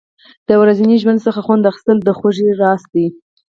د ورځني ژوند څخه خوند اخیستل د خوښۍ راز دی.